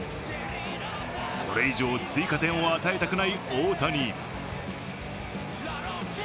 これ以上追加点を与えたくない大谷。